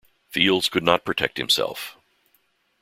Fields could not protect himself.